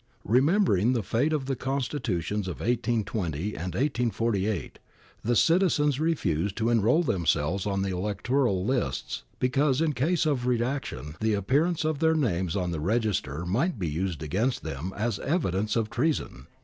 Remembering the fate of the constitutions of 1820 and 1848, the citizens refused to enroll themselves on the electoral lists, because in case of reaction the appearance of their names on the register might be used against them as evidence of treason.'